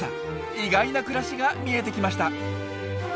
意外な暮らしが見えてきました！